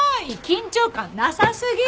緊張感なさすぎ！